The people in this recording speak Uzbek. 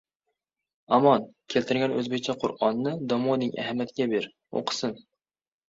Amon keltirgan o‘zbekcha Qur’onni domoding Ahmatga ber, o‘qisin…